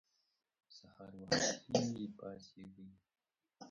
سهار وختي پاڅیږئ.